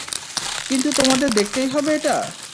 কিন্তু, তোমাদের দেখতেই হবে এটা!